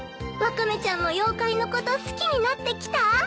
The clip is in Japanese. ワカメちゃんも妖怪のこと好きになってきた？